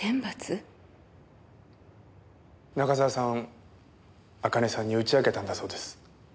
中沢さん茜さんに打ち明けたんだそうです。